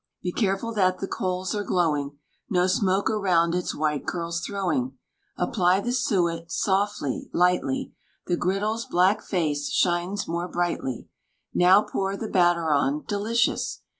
Be careful that the coals are glowing, No smoke around its white curls throwing; Apply the suet, softly, lightly; The griddle's black face shines more brightly. Now pour the batter on; delicious!